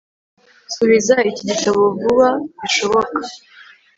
subiza iki gitabo vuba bishoboka